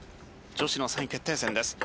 女子の３位決定戦です。